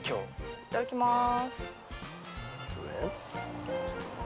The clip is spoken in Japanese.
いただきます。